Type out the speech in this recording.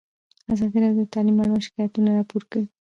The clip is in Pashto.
ازادي راډیو د تعلیم اړوند شکایتونه راپور کړي.